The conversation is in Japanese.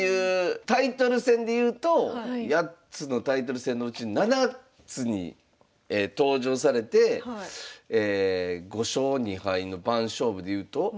タイトル戦でいうと８つのタイトル戦のうち７つに登場されて５勝２敗の番勝負でいうと。